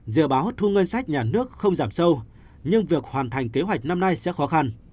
dự báo thu ngân sách nhà nước không giảm sâu nhưng việc hoàn thành kế hoạch năm nay sẽ khó khăn